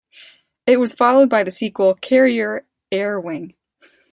It was followed by the sequel "Carrier Air Wing".